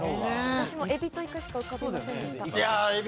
私もエビとイカしか浮かびませんでした。